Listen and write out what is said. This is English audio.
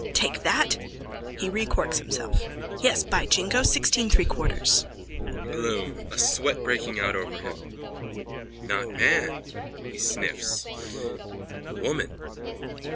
_ Take that! (He recorks himself.) Yes, by Jingo, sixteen three quarters. BLOOM: (A sweat breaking out over him.) Not man. (He sniffs.) Woman.